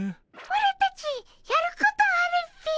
オラたちやることあるっピィ。